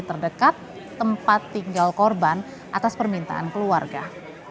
terdekat tempat tinggal korban atas permintaan keluarga